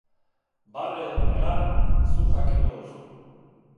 Barre edo negar, zuk jakingo duzu.